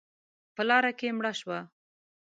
_په لاره کې مړه شوه.